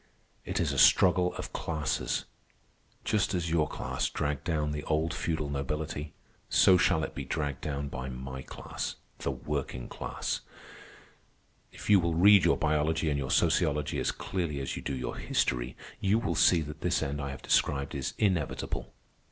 It is a struggle of classes. Just as your class dragged down the old feudal nobility, so shall it be dragged down by my class, the working class. If you will read your biology and your sociology as clearly as you do your history, you will see that this end I have described is inevitable.